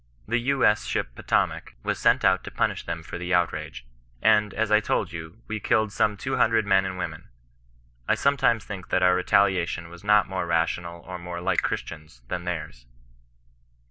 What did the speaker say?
The U. S. flhip Potomac was sent out to punish them for the out rage ; and, as I told, we killed some two hundred men and women. I sometimes think that our retaliation was not more rational or more like Christians than theirs."